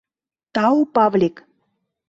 Тау, Павлик.